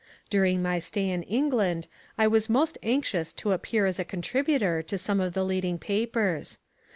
During my stay in England I was most anxious to appear as a contributor to some of the leading papers.